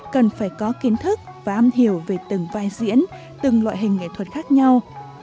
cần phải có kiến thức và am hiểu về từng vai diễn từng loại hình nghệ thuật khác nhau